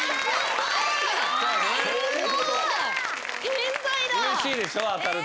天才だ。